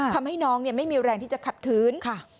ทำให้น้องไม่มีแรงที่จะขัดคืน